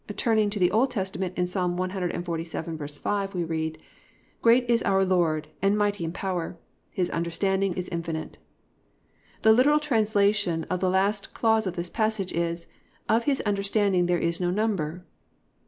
"+ Turning to the Old Testament, in Ps. 147:5, we read: +"Great is our Lord, and mighty in power; his understanding is infinite."+ The literal translation of the last clause of this passage is "Of his understanding there is no number."